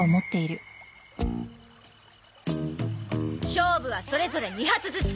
勝負はそれぞれ２発ずつ！